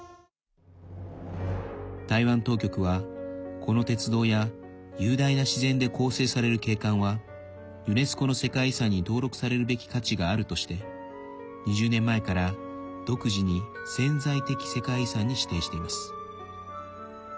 台湾当局は、この鉄道や雄大な自然で構成される景観はユネスコの世界遺産に登録されるべき価値があるとして２０年前から、独自に潜在的世界遺産に指定しています。